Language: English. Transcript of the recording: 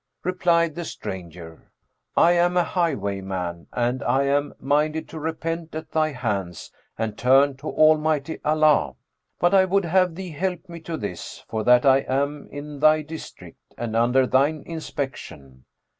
Replied the stranger, "I am a highwayman and am minded to repent at thy hands and turn to Almighty Allah; but I would have thee help me to this, for that I am in thy district and under thine inspection.